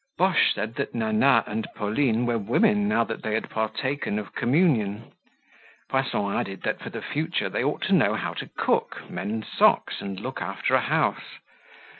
Boche said that Nana and Pauline were women now that they had partaken of communion. Poisson added that for the future they ought to know how to cook, mend socks and look after a house.